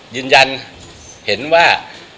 ยืนยันเห็นว่า